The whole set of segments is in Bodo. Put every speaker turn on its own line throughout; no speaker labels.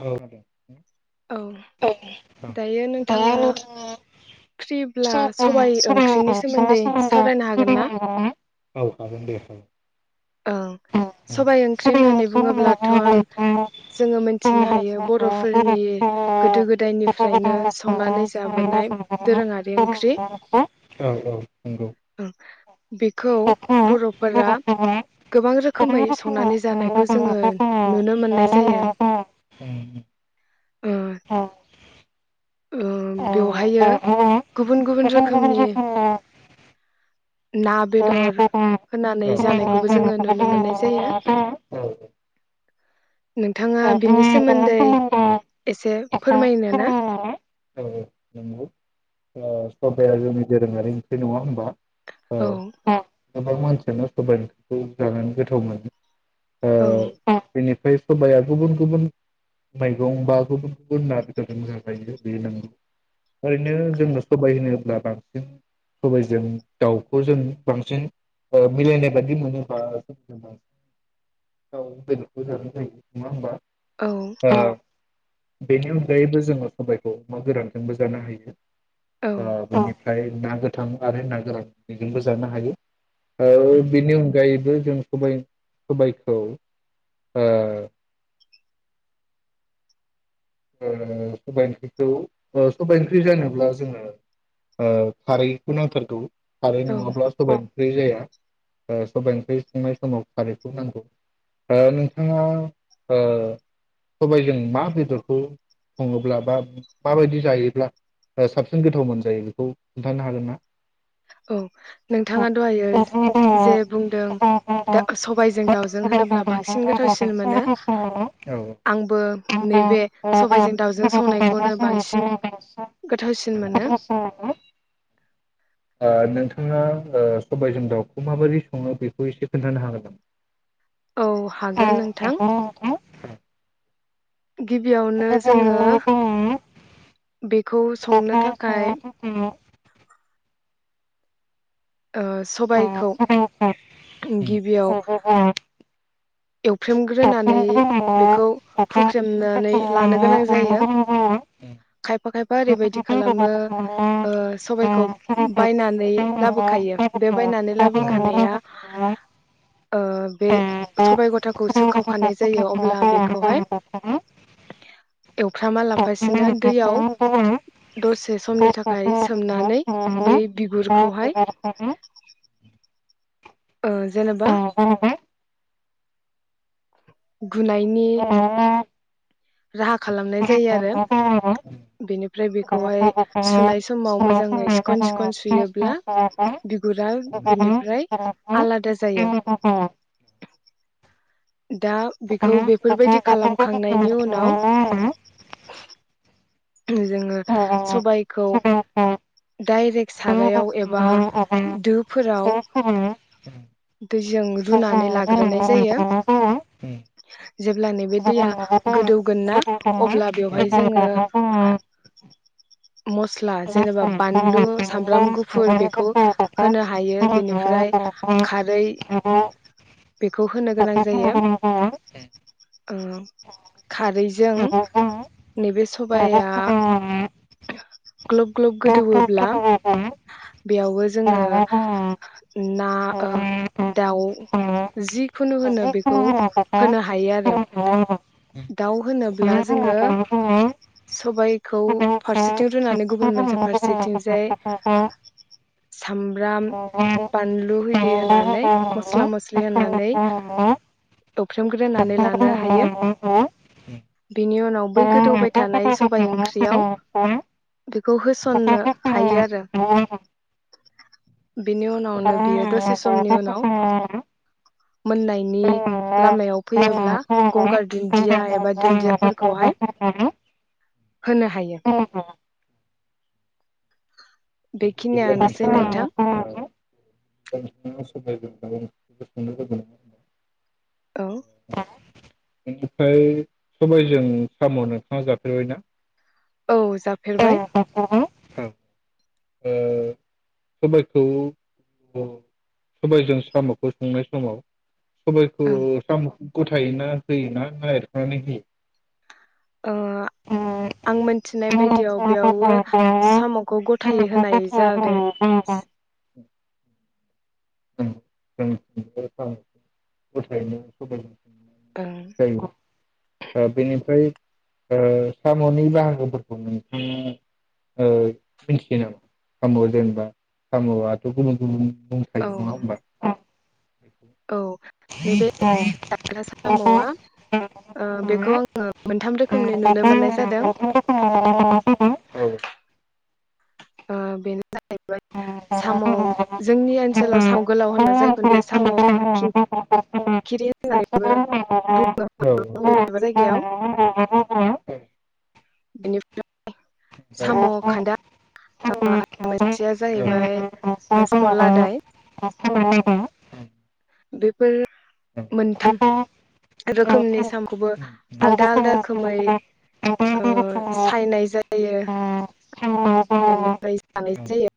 औे।
औ
[unintelligible]
दायो नोंथाङा फ्रिब्ला सबाइ ओंख्रिनि सोमोन्दै सावरायनो हागोन
औ हागोनदे।
औ सबाय ओंख्रि
सबाइ
होननानै बुङोब्लाथ'
होनना बुङोब्लाथ'
जोङो मोन
जों
मिन्थिनो हायो
मिथिखागौ
बर'फोरनि गोदो
गोदो
गोदायनिफ्रायनो
गोदायनिफ्रायनो
संनानै
संनानै
जाबोनाय दोरोङारि ओंख्रि।
दोरोङारि ओंख्रि। औ औ नंगौ।
[inaudible] बेखौ बर' फोरा
बर'फोरा
गोबां रोखोमै संनानै जानायखौ जोङो नुनो मोननाय जायो ओ
औ
ओ बेवहायो गुबुन गुबुन रोखोमनि ना
औ नंगौ ओ
बेदर होनानै जानायखौबो जोङो नुनो मोननाय जायो नोंथाङा बेनि सोमोन्दै एसे फोरमायनो ना?
सबाया जोंनि दोरोङारि ओंख्रि नङा होमबा?
औ।
गोबां मानसियानो सबाइ ओंख्रिखौ जानानै गोथाव मोनो
औ।
ओमफाय सबाइया गुबुन गुबुन मैगं बा गुबुन गुबुन ना बेदरजों जाजायो बे नंगौ ओरैनो जोंनो सबाय होनोब्ला बांसिन सबाइजों दाउखौ जों बांसिन ओ मिलायनाय बायदि मोनोबा गोजान जायो नङा होमबा?
औ।
ओ बेनि अनगायैबो जोङो सबायखौ अमा गोरानजोंबो जानो हायो।
औ
ओ ओमफाय ना गोथां आरो ना गोरान बेजोंबो जानो हायो। औ बिनि अनगायै जे जों सबाय सबायखौ ओ ओ सबाय ओंख्रिखौ सबाय ओंख्रि जानोब्ला जोङो खारैखौ नांथारगौ। खारै
औ
नङाब्ला सबाय ओंख्रै जाया। ओ सबाय ओंख्रि संनाय समाव खारैखौ नांगौ ओ नोंथाङा ओ सबायजों मा बेदर खौ सङोब्ला बा माबायदि जायोब्ला साबसिन गोथाव मोनजायो बेखौ खोन्थानो हागोन ना?
औ
औ
नोंथाङा दहायो जे बुंदों दा सबायजों दाउजों होनोब्ला बांसिन गोथावसिन मोनो आंबो नैबे सबाइजों दाउजों संनायखौनो बांसिन गोथावसिन मोनो।
ओ नोंथाङा ओ सबायजों दाउखौ माबोरै सङो बेखौ एसे खोन्थानो हागोन नामा?
औ हागोन नोंथां गिबियावनो जोङो बेखौ संनो थाखाय ओ सबायखौ गिबियाव
उम
एवफ्रेमग्रोनानै
दाबसेनिफ्राय माने
बेखौ
दाख्लै
हुख्रेमनानै लानो
बुथुमनानै
गोनां
लानो
जायो।
गोनां
खायफा खायफा
जायो
ओरैबायदि
खायफा
खालामो
ओरैबायदि थायोब्ला
ओ सबायखौ
ओ सोरबाफोर
बायनानै
बायनानै
लाबोखायो बे बायनानै
बे बायनानै
लाबोखानाया
लाबोखानाया
ओ बे
ओ
सबाय ग'थाखौ
बे
सोखाव
सबाइ गथाखौ
खानाय जायो अब्ला
सोखाखानाय
बेखौहाय
जायो अब्ला
एवफ्रामा
बेखौहाय
लाफासिनो दैयाव
अखानायनायखायसो दैयाव
दसे समनि
दसे
थाखाय
समनि थाखाय
सोमनानै बै
सोमनानै बे
बिगुरखौहाय
बिबारखौहाय
जेनेबा
ओ जेनेबा
गुनायनि
गोरायै
राहा खालामनाय जायो आरो बेनिफ्राय
आरो
बेखौहाय
बेनिफ्राय बेखौहाय
सुनाय समाव
सुनाय
मोजाङै
समाव
सिखन
मोजाङै
सिखन
सिखोन सिखोन
सुयोब्ला
सुयोब्ला
बिगुरा
गोदौवोब्ला
बिनिफ्राय आलादा जायो। दा बेखौ बेफोरबायदि खालामखांनायनि उनाव जोङो सबायखौ डाइरेक सारायाव एबा दोफोराव दैजों रुनानै लाग्रोनाय जायो जेब्ला नैबे दैया गोदौगोनना अब्ला बेवहाय जोङो मस्ला जेनेबा बानलु, सामब्राम गुफुर बेखौ होनो हायो बेनिफ्राय खारै बेखौ होनो गोनां जायो। ओ खारैजों नैबे सबाया - ग्ल'ब ग्ल'ब गोदौवोब्ला बेयाववो जोङो ना
जिखुनु
दाउ जिखुनु होनो बेखौ
होना हायो आरो
होनो हायो आरो।
मानो
दाउ होनोब्ला जोङो सबायखौ
सबाइखौ
फारसेथिं रुनानै
फारसेथिं
गुबुन मोनसे
रुनानै दोननायखौ
फारसेथिंजाय सामब्राम
फारसेथिंजाय
बानलु होरि होनानै
दुन्दिया
मस्ला मस्लि
बानलु होना मस्ला
होनानै
मस्लि
एख्रेमग्रोनानै लानो हायो
होनानै एवफ्रामग्रोनानै लानो
बेनि उनाव
हायो
बै गोदौबाय
सबाइ ओंख्रिया बेखौ होसननो हायो आरो बेनि
थानाय सबाय
उनाव
ओंख्रियाव
बेयाव दसे
बेखौ होसननो हायो
समनि
आरो,
उनाव मोननायनि
बेनि उनावनो बियो दसे समनि उनाव मोननायनि लामायाव फैयोब्ला
लामायाव फैयोब्ला
गंगार दुन्दिया एबा
दुन्दिया एबा
दुन्दियाफोरखौहाय
दुन्दियाफोरखौहाय
होनो हायो।
उम बिदिब्ला
बेखिनियानोसै नोंथां।
नोंथाङा ओ नोंथाङा सबायजों दाउ ओंख्रिखौ संनो रोंगौ नङा होनबा
औ
बेनिफ्राय सबायजों साम' नोंथाङा जाफेरबायना?
औ
औ
जाफेरबाय।
ओ सबायखौ सबायजों साम'खौ संनाय समाव सबायखौ
ओं
साम' ग'थायोना होयोना नागिरख'नानै होयो?
ओ आं मोनथिनाय
नंगौ
बायदियाव बेयावबो
जों
साम'खौ गथ थायै होनाय जादो
ग'थायैनो होबाय
ओं
ओ बेनिफ्राय ओ साम'नि बाहागोफोरखौ नोंथाङा मिथियो ओ नामा? साम'आ जेनेबा साम'आथ' गुबुन गुबुन दंखायो
औ
नङा होमबा?
औ नैबे
औ
जाग्रा साम'आ ओ बेखौ आङो मोनथाम रोखोमनि नु
[unintelligible] मोनथाम रोखोमनि नुनो मोननाय जादों
ओ बेनो जाहैबाय साम' जोंनि ओनसोलाव साम' गोलाव होननाय जायखौ साम' खिंखिरि होननानैबोनो बुङो
औ
बबेबा बबेबा जायगायाव बेनिफ्राय साम'
ओमफ्राय
खान्दा आ
सानना थांबाय ओ
मोनसेया जाहैबाय
मोनसेया
साम'
जाहैबाय
लादाय
सानालागै
बेफोर मोनथाम
बेखौ
रोखोमनि
मोनथाम
साम'खौबो आलदा आलदा
रोखोमनि
रोखोमै
साम'खौबो आलदा
ओ
आलदा रोखोमै ओ
सायनाय जायो
सायनाय जायो।
बेनिफ्राय जानाय जायो।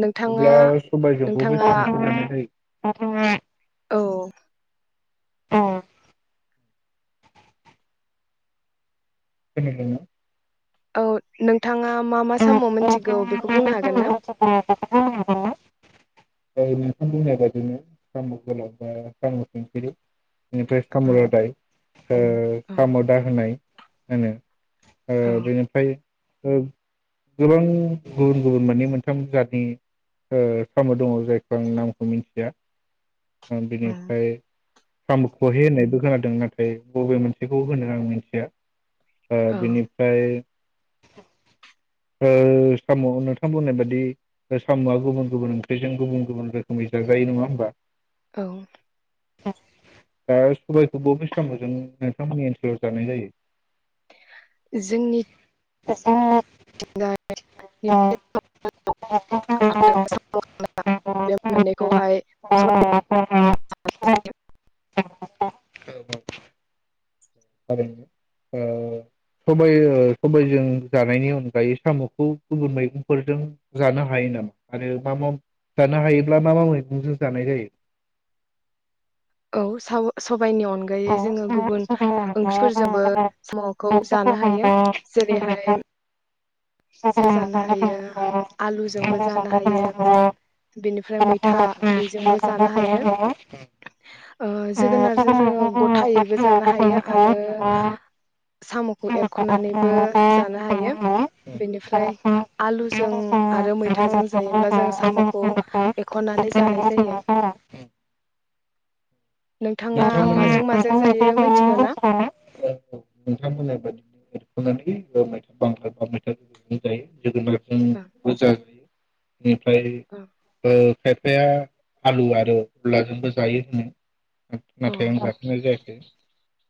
नोंथाङा
सबायजों बबे
नोंथाङा
साम'खौ जानाय जायो? खोनादोंना?
औ औ नोंथाङा मा मा साम' मोनथिगौ
नोंथाङा
बेखौ
मा मा
बुंनो
साम'
हागोन ना?
मिथिगौ बेखौ बुंनो हागोन ना? नोंथां बुंनाय बादिनो साम' गोलाव बा साम' सिंखिरि बेनिफ्राय साम' लादाय ओ साम' दा होनाय आङो ओ बेनिफ्राय ओ गोबां गुबुन गुबुन माने मोनथाम जातनि साम' ओ दङ' जायखौ आं नामखौ मिन्थिया ओ बिनिफ्राय साम' खहे होननायबो खोनादों नाथाय ओ
औ
बिनिफ्राय ओ साम' नोंथां बुंनाय बादि साम'आ गुबुन गुबुन ओंख्रिजों गुबुन गुबुन रोखोमै जाजायो नङा होमबा?
औ।
[unintelligible] दा सबाइखौ बबे साम'जों नोंथांमोननि ओनसोलाव जानाय जायो?
जोंनि
[unintelligible] जायो?
जोंनिथिंजाय [unintelligible] बे मोननैखौहाय [unintelligible]
औ औ। ओ सबाइ सबाइजों जानायनि अनगायै सामखौ गुबुन मैगंफोरजों जानो हायो नामा आरो मा मा जानो हायोब्ला मा मा मैगंजों जानाय जायो?
औ साव सब सबाइनि अनगायै जोङो गुबुन ओंख्रिफोरजोंबो सामखौ जानो हायो जेरैहाय जो जानो हायो आलुजोंबो जानो हायो बेनिफ्राय मैथा बेजोंबो जानो हायो
जायो?
ओ जोगोनारजों जोङो गथायैबो जानो हायो आरो साम' खौ
साम'खौ
एरखनानैबो
एवफ्रामनोबो
जानो हायो
लानो
बेनिफ्राय
हायो बेनिफ्राय
आलुजों आरो मैथाजों
आरो
जायोब्ला जों सामखौ
मैथाजों
एरखनानै जानाय जायो नोंथाङा माजों माजों
जायोब्ला जों साम'खौ एवफ्रामनानै जानाय
जायो
नोंथांमोननि माजों
मिनथिगौ ना?
मिथिगौ औ नोंथांमोननाय बादिनो एरख'नानै मैथा बांगाल बा मैथा गोखैजों जायो
ओ।
जोगोनारजोंबो जाजायो बेनिफ्राय
औ।
ओ खायफाया आलु आरो अनलाजोंबो जायो होनो
अ
नाथाय आं जाथनाय जायाखै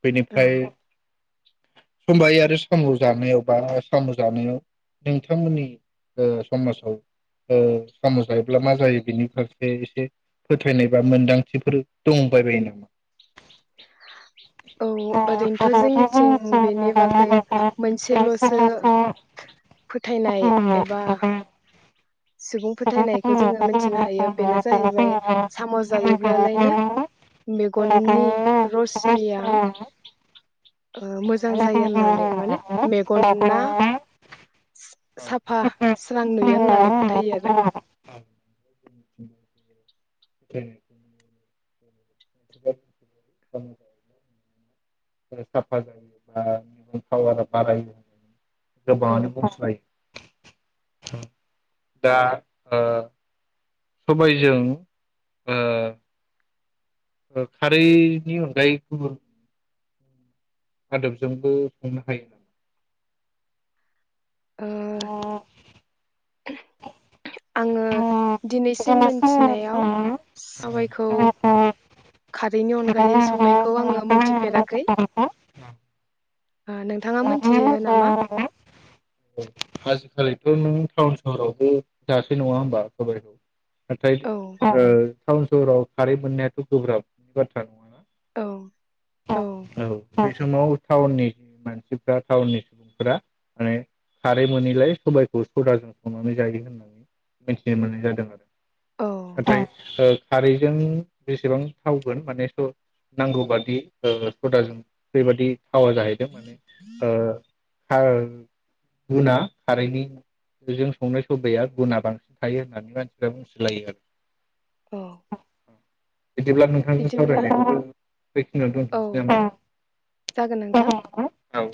बेनिफ्राय
औ
सबाइ आरो साम' जानायाव बा साम जानायाव नोंथांमोननि ओ समाजाव ओ साम' जायोब्ला मा जायो बिनि फारसे एसे फोथायनाय बा मोनदांथिफोर दंबाय बायो नामा?
औ ओरैनोथ' जोंनिथिं बेनि बागै मोनसेलसो फोथायनाय एबा सुबुं फोथायनायखौ जोङो मिथिनो हायो बेनो जाहैबाय साम' जायोब्लालायनो मेगननि रसनिया ओ मोजां जायो होननानै माने मेगना
नामा? औ
साफा स्रां नुयो होननानै फोथायो आरो
साफा जायोबा [unintelligible]
औ
गोबाङानो गुस्लायो दा सबायजों ओ ओ खारैनि अनगायै गुबुन आदबजोंबो संनो हायो
ओ आङो दिनैसिम मोनथिनायाव सबाय खौ खारैनि अनगायै संनायखौ आङो मोनथि फेराखै आ नों थाङा मिथियो नामा?
आजिखालिथ नों टाउन सहरावबो जासै नङा होमबा सबाइखौ? नाथाय
औ
ओ टाउन सहराव खारै मोननायाथ गोब्राबनि बाथ्रा नङाना?
औ औ
औ बे समाव टाउननि मानसिफ्रा टाउननि सुबुंफोरा माने खारै मोनैलाय सबायखौ सदाजों संनानै जायो होननानै मिथिनो मोननाय जादों
औ
आरो नाथाय ओ खारैजों बेसेबां थावगोन माने स नांगौबादि ओ सदाजों बेबादि थावा जाहैदों माने ओ ओं गुना खारैनि जों संनाय साबाया गुना बांसिन थायो होननानै मानसिफ्रा बुंसोलायो आरो
औ
बिदिब्ला नोंथांजों सावरायनाय बेखिनियाव
औ
दोनथसै
जागोन
नामा
नोंथां।
औ